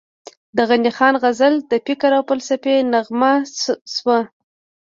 د غني خان غزل د فکر او فلسفې نغمه شوه،